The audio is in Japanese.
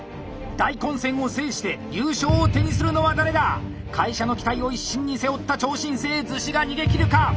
大混戦を制して優勝を手にするのは誰だ⁉会社の期待を一身に背負った超新星厨子が逃げきるか？